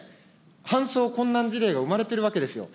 搬送困難事例が生まれているわけですよ。